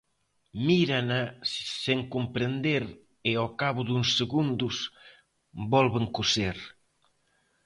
Mírana sen comprender e ao cabo duns segundos volven coser.